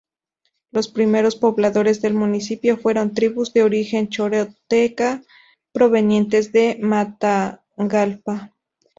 Los primeros pobladores del municipio fueron tribus de origen Chorotega, provenientes de Matagalpa.